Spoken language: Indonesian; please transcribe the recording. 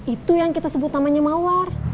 itu yang kita sebut namanya mawar